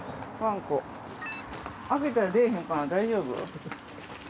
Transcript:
開けたら出ぇへんかな大丈夫？